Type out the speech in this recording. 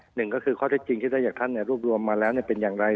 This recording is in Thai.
หนึ่งก็คือข้อเท็จจริงที่ได้จากท่านรวบรวมมาแล้วเป็นอย่างไร